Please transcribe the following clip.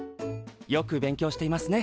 よく勉強していますね。